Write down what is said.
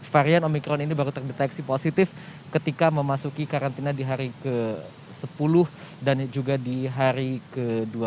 varian omikron ini baru terdeteksi positif ketika memasuki karantina di hari ke sepuluh dan juga di hari ke dua belas